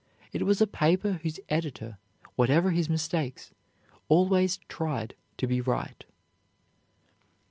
It was a paper whose editor, whatever his mistakes, always tried to be right.